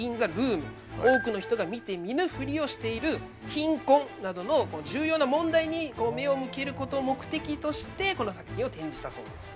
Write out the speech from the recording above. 多くの人が見て見ぬふりをしている貧困などの重要な問題に目を向けることを目的としてこの作品を展示したそうです。